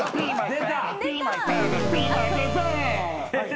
出た。